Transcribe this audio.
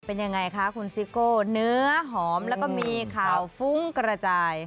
เป็นยังไงคะคุณซิโก้เนื้อหอมแล้วก็มีข่าวฟุ้งกระจาย